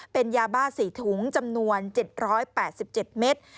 เป็นยาบ้า๔ถุงจำนวน๗๘๗เมตร